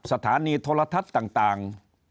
สถานีโทรทัศน์ต่าง